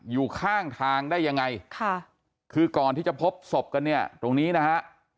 อยู่ข้างทางได้ยังไงค่ะคือก่อนที่จะพบศพกันเนี่ยตรงนี้นะฮะ